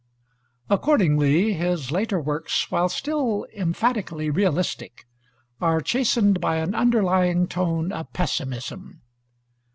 Accordingly his later books, while still emphatically realistic, are chastened by an underlying tone of pessimism.